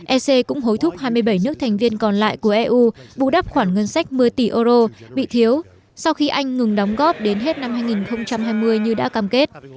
ec cũng hối thúc hai mươi bảy nước thành viên còn lại của eu bù đắp khoản ngân sách một mươi tỷ euro bị thiếu sau khi anh ngừng đóng góp đến hết năm hai nghìn hai mươi như đã cam kết